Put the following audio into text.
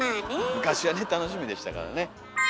昔はね楽しみでしたからね。